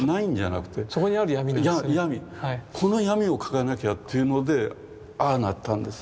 この闇を描かなきゃというのでああなったんですね。